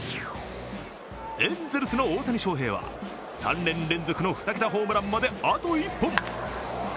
エンゼルスの大谷翔平は３年連続の２桁ホームランまで、あと１本。